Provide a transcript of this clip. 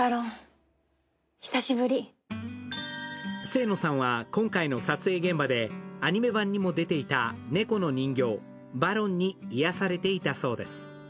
清野さんは今回の撮影現場で、アニメ版にも出ていた猫の人形、バロンに癒されていたそうです。